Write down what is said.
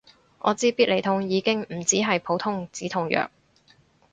我知必理痛已經唔止係普通止痛藥